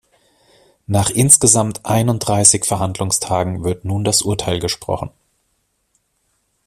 Nach insgesamt einunddreißig Verhandlungstagen wird nun das Urteil gesprochen.